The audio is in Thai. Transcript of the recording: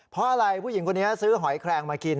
เพราะอะไรผู้หญิงคนนี้ซื้อหอยแคลงมากิน